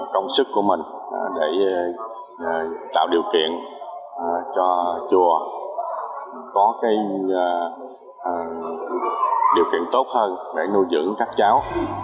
công sức của mình để tạo điều kiện cho chùa có điều kiện tốt hơn để nuôi dưỡng các cháu